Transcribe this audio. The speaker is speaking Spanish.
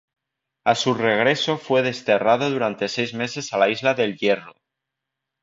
A su regreso fue desterrado durante seis meses a la isla de El Hierro.